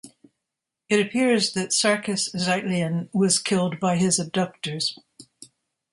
It appears that Sarkis Zeitlian was killed by his abductors.